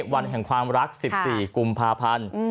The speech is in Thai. วันแห่งความรัก๑๔กุมภาพันธ์